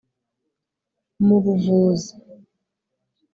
mu buvuzi